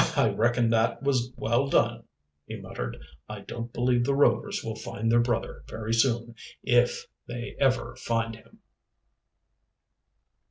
"I reckon that was well done," he muttered. "I don't believe the Rovers will find their brother very soon, if they ever find him!"